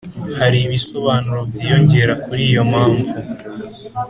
hari ibisobanuro byiyongera kuri iyo mpamvu